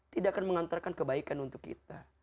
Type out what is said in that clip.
tidak akan mengantarkan kebaikan untuk kita